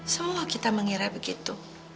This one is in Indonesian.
semua kita mengira begitu